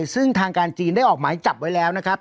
ซึ่งทางการจีนได้ออกหมายจับไว้แล้วนะครับ